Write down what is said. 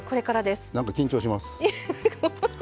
なんか緊張します。